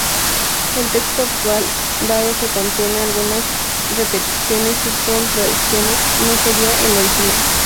El texto actual, dado que contiene algunas repeticiones y contradicciones, no sería el original.